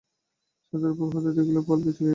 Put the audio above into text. ছাদের উপর হইতে দেখিল, পালকি চলিয়া গেল।